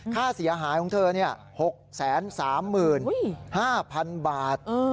ค่าเสียหายของเธอเนี่ยหกแสนสามหมื่นห้าพันบาท